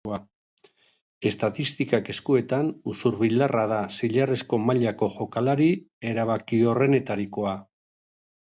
Estatistikak eskuetan, usurbildarra da zilarrezko mailako jokalari erabakiorrenetarikoa.